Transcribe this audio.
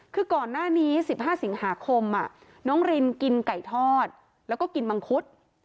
คือก่อนหน้านี้๑๕สิงหาคมน้องรินกินไก่ทอดแล้วก็กินมังคุด